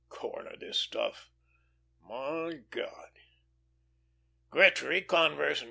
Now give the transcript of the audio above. "Corner this stuff my God!" Gretry, Converse & Co.